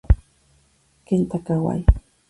Kenta Kawai